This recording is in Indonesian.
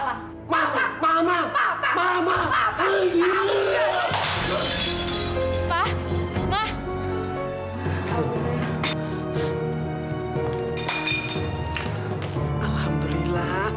dahlah mau kalah